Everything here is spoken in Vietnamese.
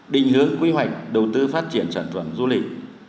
định hướng quy hoạch đầu tư phát triển sản phẩm du lịch